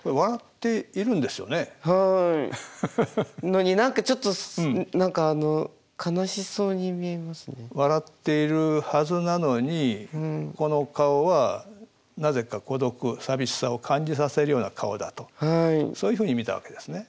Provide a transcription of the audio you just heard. のに何かちょっと何かあの笑っているはずなのにこの顔はなぜか孤独寂しさを感じさせるような顔だとそういうふうに見たわけですね。